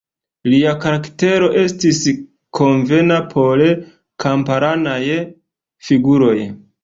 Lia karaktero estis konvena por kamparanaj figuroj.